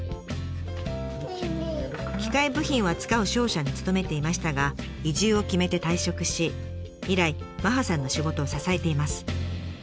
機械部品を扱う商社に勤めていましたが移住を決めて退職し以来麻葉さんの仕事を支えています。